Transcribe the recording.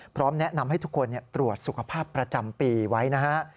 พร้อมแนะนำให้ทุกคนตรวจสุขภาพประจำปีไว้นะฮะ